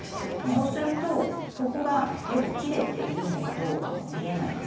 そうするとここがよく切れているのかどうかも見えないですし。